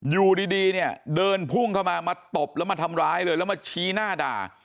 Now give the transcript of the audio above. อยู่ดีเนี่ยเดินพุ่งเข้ามามาตบแล้วมาทำร้ายเลยแล้วมาชี้หน้าด่า